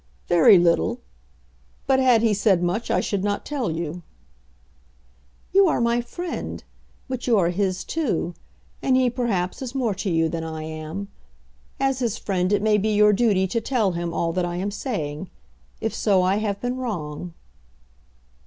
"Very little. But had he said much I should not tell you." "You are my friend, but you are his too; and he, perhaps, is more to you than I am. As his friend it may be your duty to tell him all that I am saying. If so, I have been wrong."